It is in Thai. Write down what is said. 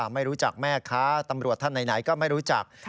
ไม่รู้จักแม่ค้าตำรวจท่านไหนก็ไม่รู้จัก